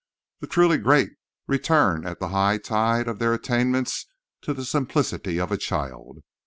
The truly great return at the high tide of their attainments to the simplicity of a child.